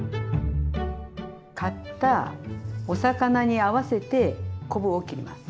買ったお魚に合わせて昆布を切ります。